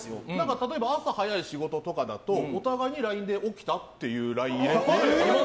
例えば、朝早い仕事とかだとお互いにＬＩＮＥで起きたっていうＬＩＮＥを入れて。